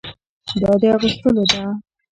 دا د اغوستلو ده.